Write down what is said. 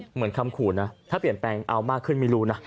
เหมือนคำขู่นะถ้าเปลี่ยนแปลงเอามากขึ้นไม่รู้นะ